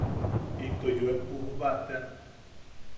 Into yoem pujba tean.